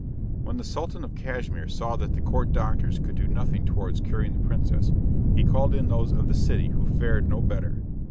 When the Sultan of Cashmere saw that the court doctors could do nothing towards curing the princess, he called in those of the city, who fared no better.